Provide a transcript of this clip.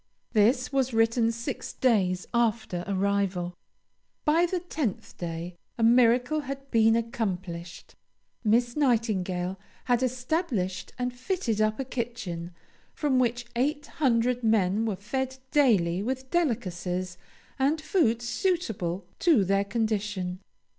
This was written six days after arrival. By the tenth day, a miracle had been accomplished. Miss Nightingale had established and fitted up a kitchen, from which eight hundred men were fed daily with delicacies and food suitable to their condition.